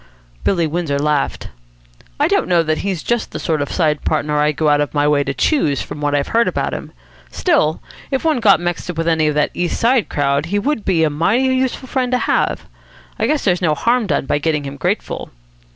Billy Windsor laughed. "I don't know that he's just the sort of side partner I'd go out of my way to choose, from what I've heard about him. Still, if one got mixed up with any of that East Side crowd, he would be a mighty useful friend to have. I guess there's no harm done by getting him grateful."